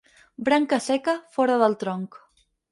Branca seca, fora del tronc.